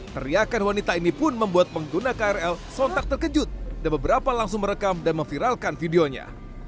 teriakan wanita ini pun membuat pengguna krl sontak terkejut dan beberapa langsung merekam dan memviralkan videonya